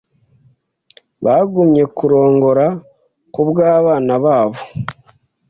Bagumye kurongora kubwabana babo.